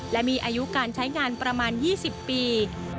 และมีอายุการใช้งานประมาณ๒๐ปี